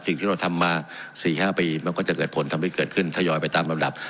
สิ่งที่เราทำมา๔๕ปีมันก็จะเกิดผลทำให้เกิดขึ้นทยอยไปตามลำดับ